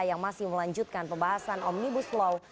yang masih melanjutkan pembahasan omnibus law